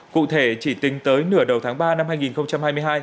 cụ thể chỉ tính tới nửa đầu tháng ba năm hai nghìn hai mươi hai